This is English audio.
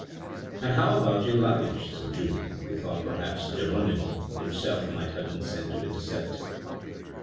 " And how about your luggage?" said Julien, who thought perhaps Geronimo himself might have been sent to intercept him.